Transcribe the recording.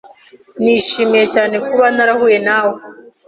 Nishimiye cyane kuba narahuye nawe.